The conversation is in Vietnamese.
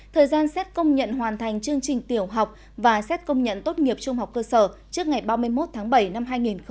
thời gian xét công nhận hoàn thành chương trình tiểu học và xét công nhận tốt nghiệp trung học cơ sở trước ngày ba mươi một tháng bảy năm hai nghìn hai mươi